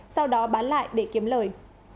sau đó bán lại để kiếm lời